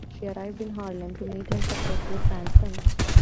She arrived in Harlem to meet her successful grandson.